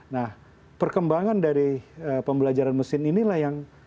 nah perkembangan dari pembelajaran mesin inilah yang